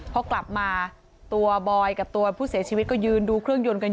พอกลับมาตัวบอยกับตัวผู้เสียชีวิตก็ยืนดูเครื่องยนต์กัน